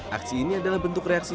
aksi ini adalah bentuk reaksi